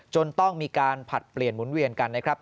จนต้องมีการผลัดเปลี่ยนหมุนเวียนกันนะครับ